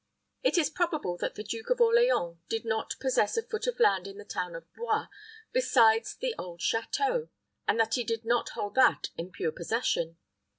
It is probable that the Duke of Orleans did not possess a foot of land in the town of Blois besides the old château, and that he did not hold that in pure possession.